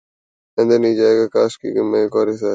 London نہیں جاں گا کی کاسٹ میں ایک اور اداکار شامل